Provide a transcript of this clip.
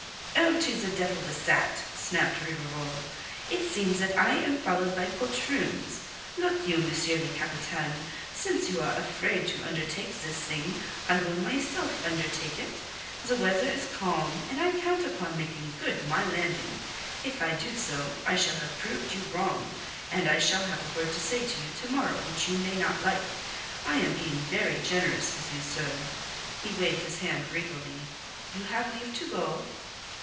"Oh, to the devil with that!" snapped Rivarol. "It seems that I am followed by poltroons. Look you, M. le Capitaine, since you are afraid to undertake this thing, I will myself undertake it. The weather is calm, and I count upon making good my landing. If I do so, I shall have proved you wrong, and I shall have a word to say to you to morrow which you may not like. I am being very generous with you, sir." He waved his hand regally. "You have leave to go."